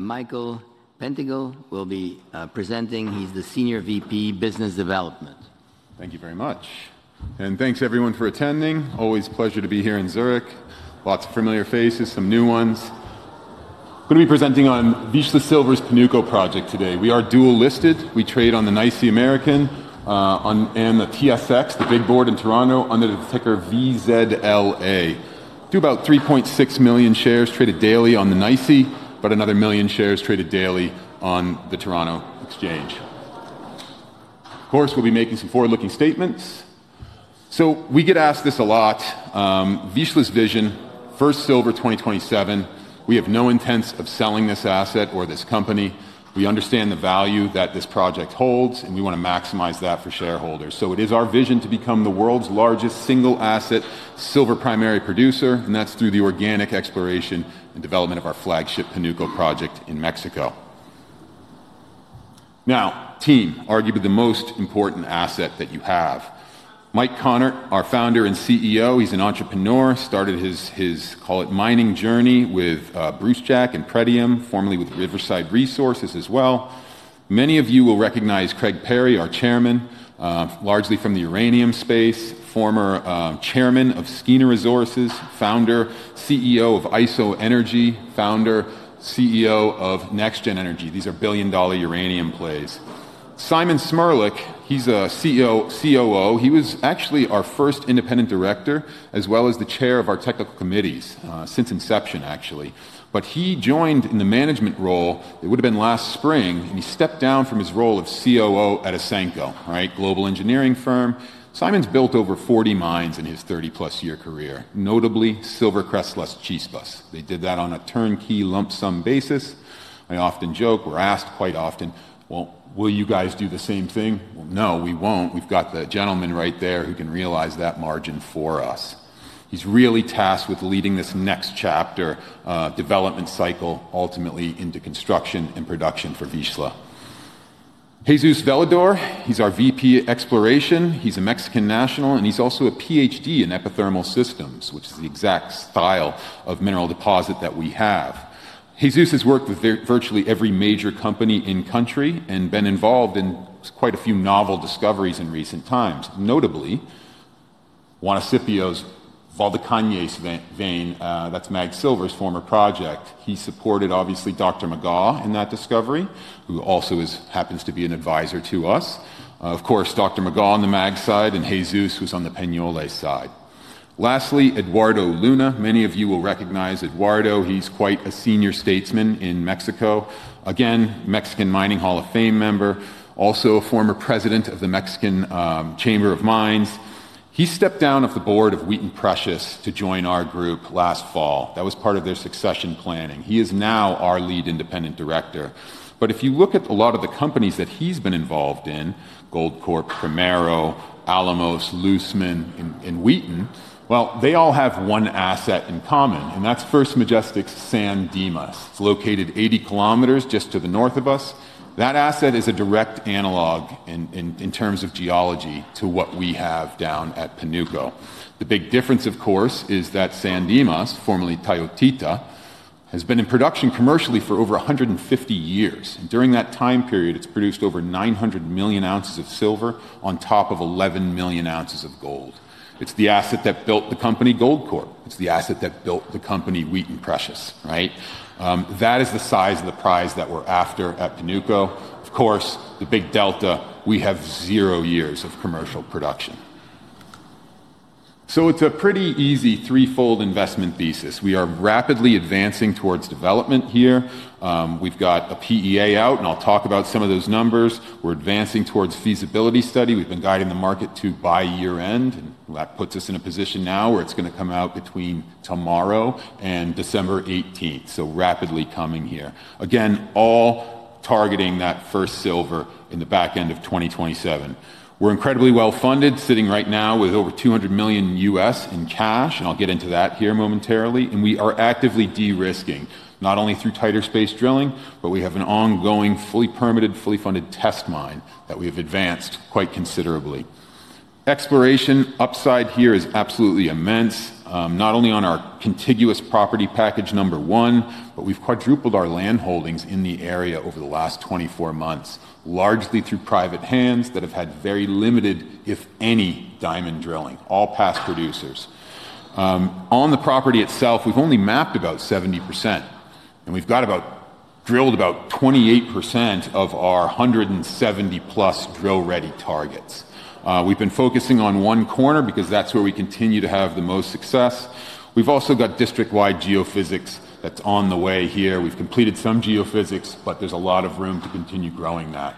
Michael Pettingell will be presenting. He's the Senior VP of Business Development. Thank you very much. Thanks, everyone, for attending. Always a pleasure to be here in Zurich. Lots of familiar faces, some new ones. I'm going to be presenting on Vizsla Silver's Panuco Project today. We are dual-listed. We trade on the NYSE American and the TSX, the big board in Toronto, under the ticker VZLA. We have about 3.6 million shares traded daily on the NYSE, but another one million shares traded daily on the Toronto Exchange. Of course, we'll be making some forward-looking statements. We get asked this a lot: Vizsla's vision, First Silver 2027. We have no intent of selling this asset or this company. We understand the value that this project holds, and we want to maximize that for shareholders. It is our vision to become the world's largest single-asset silver primary producer, and that's through the organic exploration and development of our flagship Panuco Project in Mexico. Now, team, arguably the most important asset that you have. Mike Konnert, our founder and CEO, he's an entrepreneur, started his, call it, mining journey with Brucejack and Pretium, formerly with Riverside Resources as well. Many of you will recognize Craig Parry, our chairman, largely from the uranium space, former chairman of NexGen Resources, founder, CEO of ISOEnergy, founder, CEO of NexGen Energy. These are billion-dollar uranium plays. Simon Cmrlec, he's CEO, COO. He was actually our first independent director, as well as the chair of our technical committees since inception, actually. He joined in the management role, it would have been last spring, and he stepped down from his role of COO at Ausenco, right, global engineering firm. Simon's built over 40 mines in his 30-plus year career, notably SilverCrest Las Chispas. They did that on a turnkey lump sum basis. I often joke, we're asked quite often, will you guys do the same thing? No, we won't. We've got the gentleman right there who can realize that margin for us. He's really tasked with leading this next chapter, development cycle, ultimately into construction and production for Vizsla. Jesus Velador, he's our VP Exploration. He's a Mexican national, and he's also a PhD in epithermal systems, which is the exact style of mineral deposit that we have. Jesus has worked with virtually every major company in country and been involved in quite a few novel discoveries in recent times. Notably, Juanicipio's Valdecañas vein, that's MAG Silver's former project. He supported, obviously, [Dr. Magal] in that discovery, who also happens to be an advisor to us. Of course, [Dr. Magal] on the MAG side, and Jesus was on the Peñoles side. Lastly, Eduardo Luna. Many of you will recognize Eduardo. He's quite a senior statesman in Mexico. Again, Mexican Mining Hall of Fame member, also a former president of the Mexican Chamber of Mines. He stepped down off the board of Wheaton Precious to join our group last fall. That was part of their succession planning. He is now our lead independent director. If you look at a lot of the companies that he's been involved in, Goldcorp, Primero, Alamos, Loosenin, and Wheaton, they all have one asset in common, and that's First Majestic San Dimas. It's located 80 km just to the north of us. That asset is a direct analog in terms of geology to what we have down at Panuco. The big difference, of course, is that San Dimas, formerly Tayoltita, has been in production commercially for over 150 years. During that time period, it's produced over 900 million ounces of silver on top of 11 million ounces of gold. It's the asset that built the company, Goldcorp. It's the asset that built the company, Wheaton Precious, right? That is the size of the prize that we're after at Panuco. Of course, the big delta, we have zero years of commercial production. It's a pretty easy threefold investment thesis. We are rapidly advancing towards development here. We've got a PEA out, and I'll talk about some of those numbers. We're advancing towards feasibility study. We've been guiding the market to by year-end, and that puts us in a position now where it's going to come out between tomorrow and December 18, so rapidly coming here. Again, all targeting that first silver in the back end of 2027. We're incredibly well-funded, sitting right now with over $200 million in cash, and I'll get into that here momentarily. We are actively de-risking, not only through tighter space drilling, but we have an ongoing fully permitted, fully funded test mine that we have advanced quite considerably. Exploration upside here is absolutely immense, not only on our contiguous property package number one, but we've quadrupled our land holdings in the area over the last 24 months, largely through private hands that have had very limited, if any, diamond drilling, all past producers. On the property itself, we've only mapped about 70%, and we've drilled about 28% of our 170-plus drill-ready targets. We've been focusing on one corner because that's where we continue to have the most success. We've also got district-wide geophysics that's on the way here. We've completed some geophysics, but there's a lot of room to continue growing that.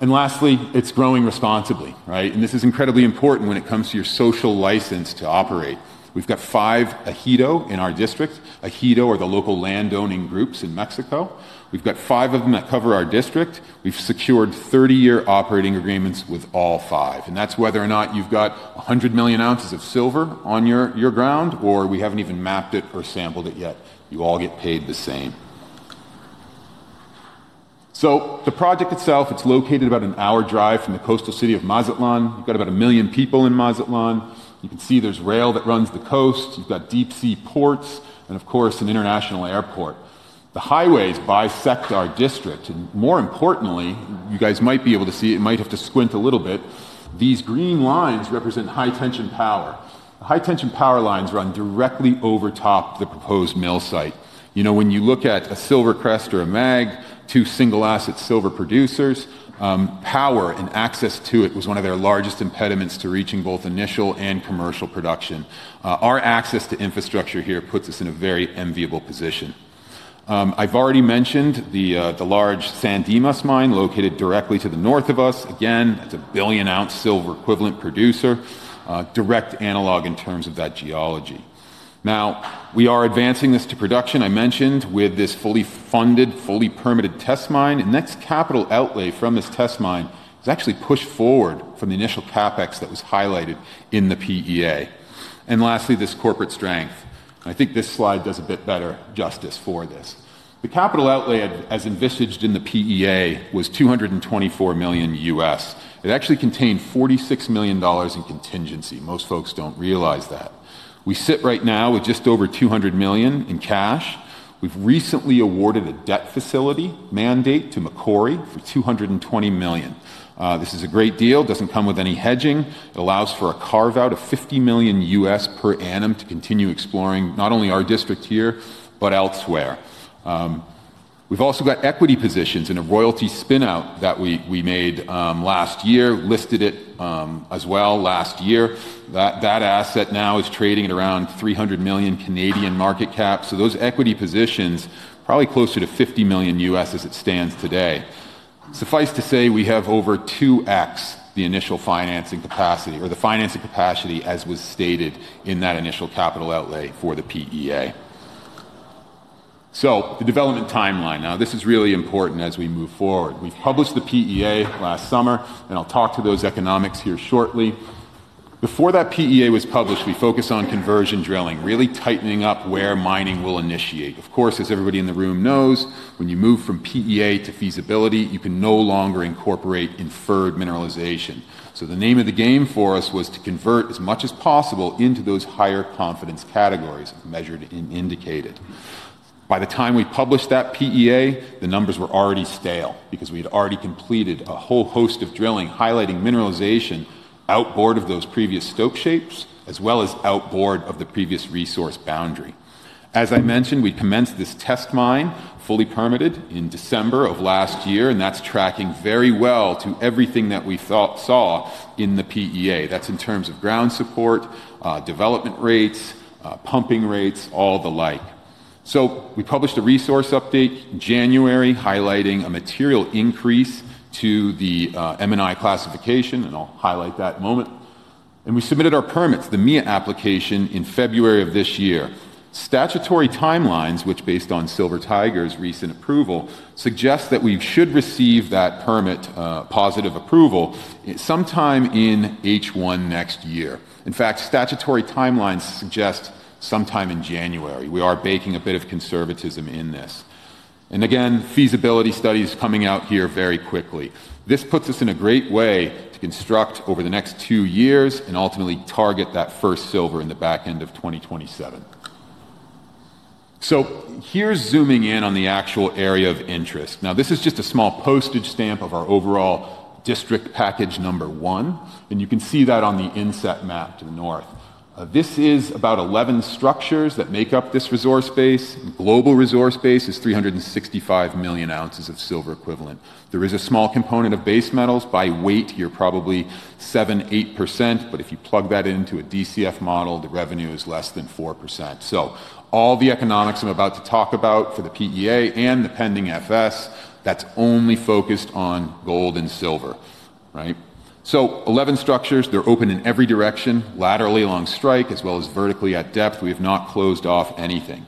Lastly, it's growing responsibly, right? This is incredibly important when it comes to your social license to operate. We've got five Ejido in our district. Ejido are the local land-owning groups in Mexico. We've got five of them that cover our district. We've secured 30-year operating agreements with all five. That's whether or not you've got 100 million ounces of silver on your ground, or we haven't even mapped it or sampled it yet. You all get paid the same. The project itself, it's located about an hour drive from the coastal city of Mazatlán. You've got about a million people in Mazatlán. You can see there's rail that runs the coast. You've got deep-sea ports and, of course, an international airport. The highways bisect our district, and more importantly, you guys might be able to see it, you might have to squint a little bit. These green lines represent high-tension power. The high-tension power lines run directly over top of the proposed mill site. You know, when you look at a SilverCrest or a MAG, two single-asset silver producers, power and access to it was one of their largest impediments to reaching both initial and commercial production. Our access to infrastructure here puts us in a very enviable position. I've already mentioned the large San Dimas mine located directly to the north of us. Again, that's a billion-ounce silver equivalent producer, direct analog in terms of that geology. Now, we are advancing this to production. I mentioned with this fully funded, fully permitted test mine, and that capital outlay from this test mine is actually pushed forward from the initial CapEx that was highlighted in the PEA. Lastly, this corporate strength. I think this slide does a bit better justice for this. The capital outlay as envisaged in the PEA was $224 million. It actually contained $46 million in contingency. Most folks don't realize that. We sit right now with just over $200 million in cash. We've recently awarded a debt facility mandate to Macquarie for $220 million. This is a great deal. It doesn't come with any hedging. It allows for a carve-out of $50 million per annum to continue exploring not only our district here, but elsewhere. We've also got equity positions in a royalty spinout that we made last year, listed it as well last year. That asset now is trading at around 300 million market cap. So those equity positions, probably closer to $50 million as it stands today. Suffice to say, we have over 2X the initial financing capacity, or the financing capacity as was stated in that initial capital outlay for the PEA. The development timeline. Now, this is really important as we move forward. We've published the PEA last summer, and I'll talk to those economics here shortly. Before that PEA was published, we focused on conversion drilling, really tightening up where mining will initiate. Of course, as everybody in the room knows, when you move from PEA to feasibility, you can no longer incorporate inferred mineralization. The name of the game for us was to convert as much as possible into those higher confidence categories measured and indicated. By the time we published that PEA, the numbers were already stale because we had already completed a whole host of drilling highlighting mineralization outboard of those previous stope shapes, as well as outboard of the previous resource boundary. As I mentioned, we commenced this test mine fully permitted in December of last year, and that's tracking very well to everything that we saw in the PEA. That's in terms of ground support, development rates, pumping rates, all the like. We published a resource update in January highlighting a material increase to the M&I classification, and I'll highlight that moment. We submitted our permits, the MIA application in February of this year. Statutory timelines, which based on Silver Tiger's recent approval, suggest that we should receive that permit positive approval sometime in H1 next year. In fact, statutory timelines suggest sometime in January. We are baking a bit of conservatism in this. Again, feasibility studies coming out here very quickly. This puts us in a great way to construct over the next two years and ultimately target that first silver in the back end of 2027. Here's zooming in on the actual area of interest. Now, this is just a small postage stamp of our overall district package number one, and you can see that on the inset map to the north. This is about 11 structures that make up this resource base. Global resource base is 365 million ounces of silver equivalent. There is a small component of base metals. By weight, you're probably 7-8%, but if you plug that into a DCF model, the revenue is less than 4%. All the economics I'm about to talk about for the PEA and the pending FS, that's only focused on gold and silver, right? 11 structures, they're open in every direction, laterally along strike, as well as vertically at depth. We have not closed off anything.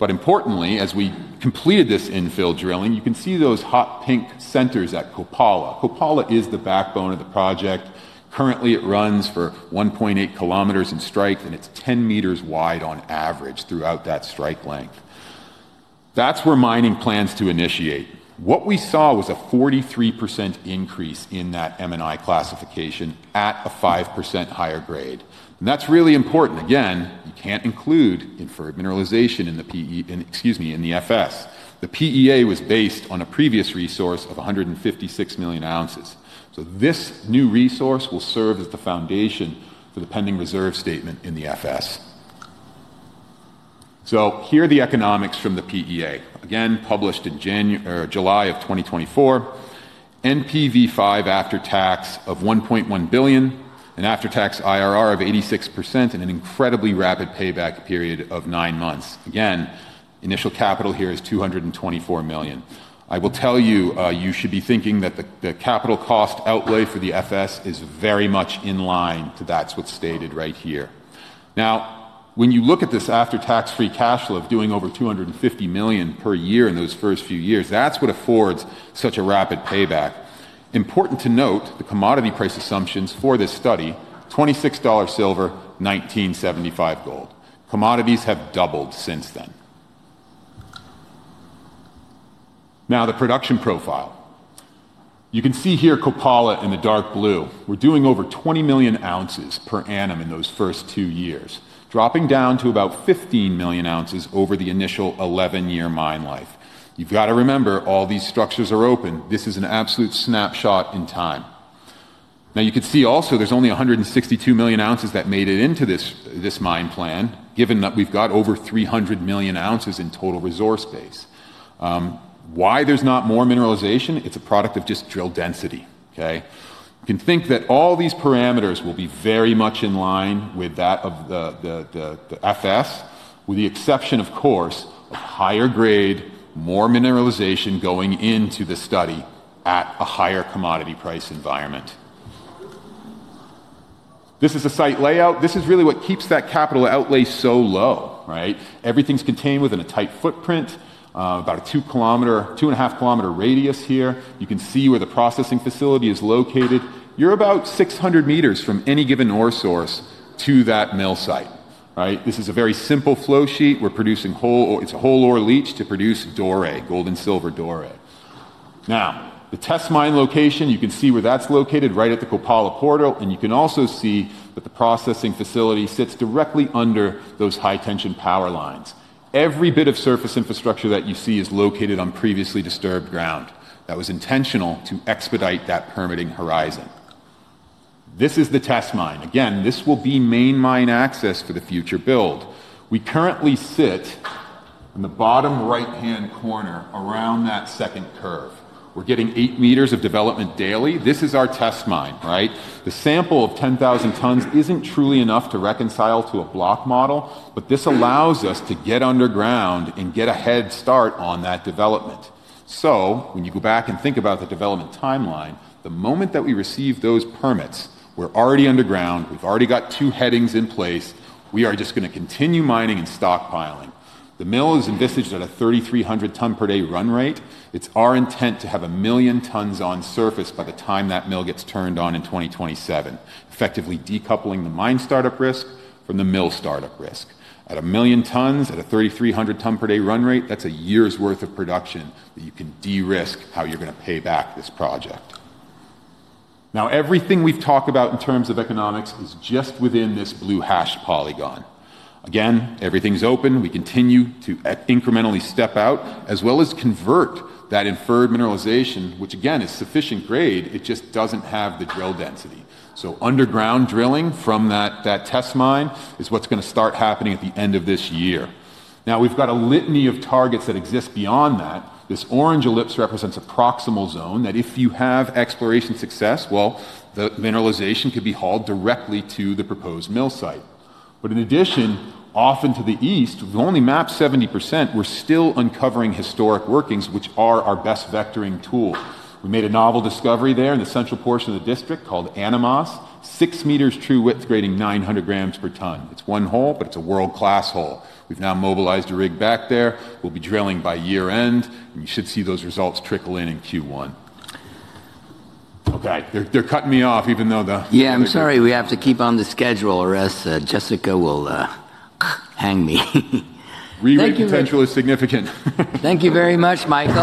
Importantly, as we completed this infill drilling, you can see those hot pink centers at Copala. Copala is the backbone of the project. Currently, it runs for 1.8 kilometers in strike, and it's 10 meters wide on average throughout that strike length. That's where mining plans to initiate. What we saw was a 43% increase in that M&I classification at a 5% higher grade. And that's really important. Again, you can't include inferred mineralization in the PEA, excuse me, in the FS. The PEA was based on a previous resource of 156 million ounces. So this new resource will serve as the foundation for the pending reserve statement in the FS. Here are the economics from the PEA. Again, published in July of 2024, NPV5 after tax of $1.1 billion, an after-tax IRR of 86%, and an incredibly rapid payback period of nine months. Again, initial capital here is $224 million. I will tell you, you should be thinking that the capital cost outlay for the FS is very much in line to that's what's stated right here. Now, when you look at this after-tax free cash flow of doing over $250 million per year in those first few years, that's what affords such a rapid payback. Important to note, the commodity price assumptions for this study, $26 silver, $19.75 gold. Commodities have doubled since then. Now, the production profile. You can see here Copala in the dark blue. We're doing over 20 million ounces per annum in those first two years, dropping down to about 15 million ounces over the initial 11-year mine life. You've got to remember, all these structures are open. This is an absolute snapshot in time. Now, you can see also, there's only 162 million ounces that made it into this mine plan, given that we've got over 300 million ounces in total resource base. Why there's not more mineralization? It's a product of just drill density, okay? You can think that all these parameters will be very much in line with that of the FS, with the exception, of course, of higher grade, more mineralization going into the study at a higher commodity price environment. This is a site layout. This is really what keeps that capital outlay so low, right? Everything's contained within a tight footprint, about a 2 km-2.5 km radius here. You can see where the processing facility is located. You're about 600 m from any given ore source to that mill site, right? This is a very simple flow sheet. We're producing whole, it's a whole ore leach to produce doré, gold and silver doré. Now, the test mine location, you can see where that's located right at the Copala portal, and you can also see that the processing facility sits directly under those high-tension power lines. Every bit of surface infrastructure that you see is located on previously disturbed ground. That was intentional to expedite that permitting horizon. This is the test mine. Again, this will be main mine access for the future build. We currently sit in the bottom right-hand corner around that second curve. We're getting 8 m of development daily. This is our test mine, right? The sample of 10,000 tons isn't truly enough to reconcile to a block model, but this allows us to get underground and get a head start on that development. When you go back and think about the development timeline, the moment that we receive those permits, we're already underground. We've already got two headings in place. We are just going to continue mining and stockpiling. The mill is envisaged at a 3,300 ton per day run rate. It's our intent to have a million tons on surface by the time that mill gets turned on in 2027, effectively decoupling the mine startup risk from the mill startup risk. At a million tons, at a 3,300 ton per day run rate, that's a year's worth of production that you can de-risk how you're going to pay back this project. Now, everything we've talked about in terms of economics is just within this blue hash polygon. Again, everything's open. We continue to incrementally step out as well as convert that inferred mineralization, which again is sufficient grade. It just doesn't have the drill density. Underground drilling from that test mine is what's going to start happening at the end of this year. Now, we've got a litany of targets that exist beyond that. This orange ellipse represents a proximal zone that if you have exploration success, the mineralization could be hauled directly to the proposed mill site. In addition, often to the east, we've only mapped 70%. We're still uncovering historic workings, which are our best vectoring tool. We made a novel discovery there in the central portion of the district called Anamos, 6 m true width grading 900 grams per ton. It's one hole, but it's a world-class hole. We've now mobilized a rig back there. We'll be drilling by year-end, and you should see those results trickle in in Q1. Okay, they're cutting me off even though the— Yeah, I'm sorry. We have to keep on the schedule. Or else, Jessica will hang me. Rerate potential is significant. Thank you very much, Michael.